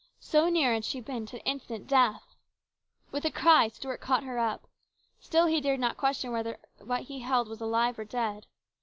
So near had she been to instant death ! With a cry Stuart caught her up. Still, he dared not question whether what he held was alive or dead.